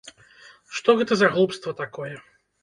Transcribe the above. Што гэта за глупства такое!